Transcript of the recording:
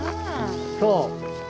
そう！